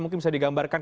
mungkin bisa digambarkan